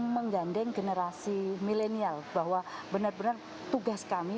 menggandeng generasi milenial bahwa benar benar tugas kami